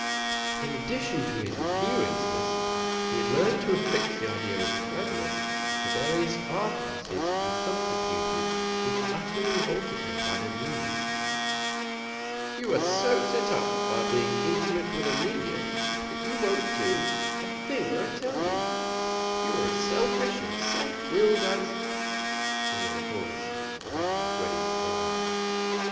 In addition to his imperiousness, he had learned to affix the idea of cleverness to various artifices and subterfuges which utterly revolted her by their meanness. "You are so set up, by being intimate with Erminia, that you won't do a thing I tell you; you are as selfish and self willed as" he made a pause. Maggie was ready to cry.